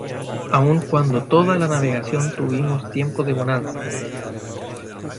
aun cuando toda la navegación tuvimos tiempo de bonanza